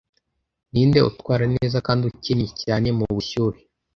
Ninde utwara neza kandi ukennye cyane mubushyuhe